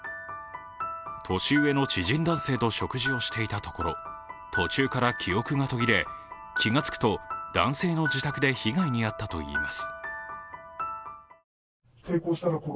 年上の知人男性と食事をしていたところ、途中から記憶が途切れ、気がつくと男性の自宅で被害に遭ったといいます。